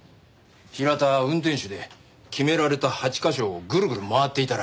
平田は運転手で決められた８カ所をぐるぐる回っていたらしい。